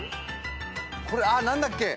これあっ何だっけ？